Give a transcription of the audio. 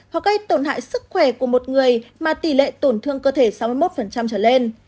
hoặc gây tổn hại sức khỏe của một người mà tỷ lệ tổn thương cơ thể sáu mươi một trở lên